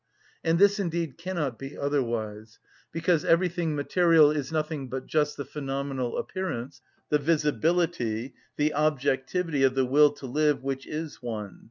And this indeed cannot be otherwise, because everything material is nothing but just the phenomenal appearance, the visibility, the objectivity of the will to live which is one.